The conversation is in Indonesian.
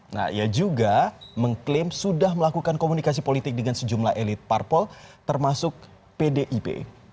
nah ia juga mengklaim sudah melakukan komunikasi politik dengan sejumlah elit parpol termasuk pdip